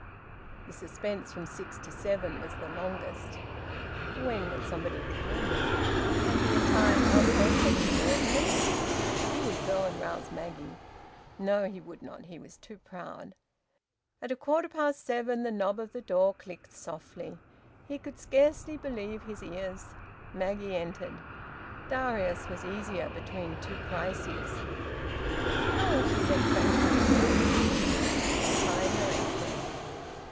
The suspense from six to seven was the longest. When would somebody come? Had the entire household taken laudanum? He would go and rouse Maggie. No, he would not. He was too proud. At a quarter past seven the knob of the door clicked softly. He could scarcely believe his ears. Maggie entered. Darius was easier between two crises. "Well," said she tranquilly, "how is he?" She was tying her apron.